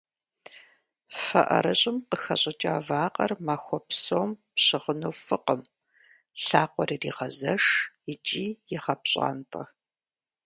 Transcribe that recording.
Фэ ӏэрыщӏым къыхэщӏыкӏа вакъэр махуэ псом пщыгъыну фӏыкъым, лъакъуэр ирегъэзэш икӏи егъэпщӏантӏэ.